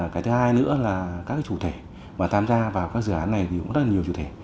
cái thứ hai nữa là các chủ thể mà tham gia vào các dự án này thì cũng rất là nhiều chủ thể